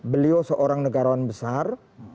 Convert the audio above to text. beliau seorang negara besar